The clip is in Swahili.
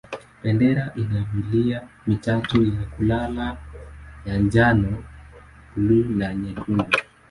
Bendera ina milia mitatu ya kulala ya njano, buluu na nyekundu.